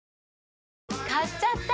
買っちゃった！